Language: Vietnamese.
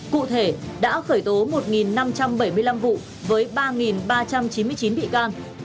cụ thể đã khởi tố một năm trăm bảy mươi năm vụ với ba ba trăm chín mươi chín bị can